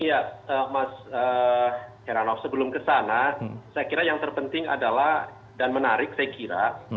ya mas heranov sebelum kesana saya kira yang terpenting adalah dan menarik saya kira